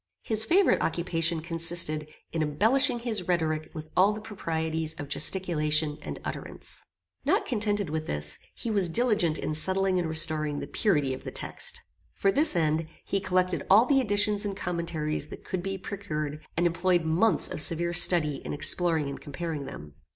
His favorite occupation consisted in embellishing his rhetoric with all the proprieties of gesticulation and utterance. Not contented with this, he was diligent in settling and restoring the purity of the text. For this end, he collected all the editions and commentaries that could be procured, and employed months of severe study in exploring and comparing them.